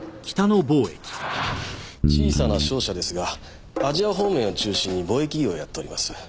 小さな商社ですがアジア方面を中心に貿易業をやっております。